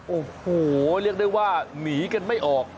โอ้โหเรียกได้ว่าหนีกันไม่ออก